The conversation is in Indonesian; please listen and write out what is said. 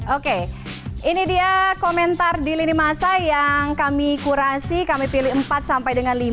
oke ini dia komentar di lini masa yang kami kurasi kami pilih empat sampai dengan lima